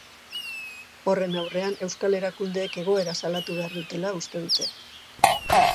Horren aurrean, euskal erakundeek egoera salatu behar dutela uste dute.